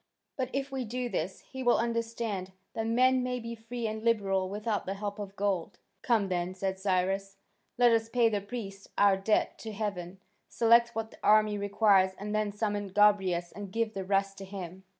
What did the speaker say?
But if we do this, he will understand that men may be free and liberal without the help of gold." "Come then," said Cyrus, "let us pay the priests our debt to heaven, select what the army requires, and then summon Gobryas and give the rest to him."